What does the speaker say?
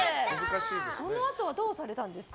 そのあとはどうされたんですか？